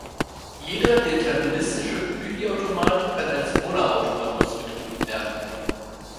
Jeder deterministische Büchi-Automat kann als Muller-Automat ausgedrückt werden.